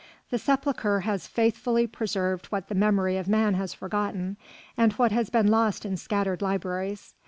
The sepulchre has faithfully preserved what the memory of man has forgotten and what has been lost in scattered libraries.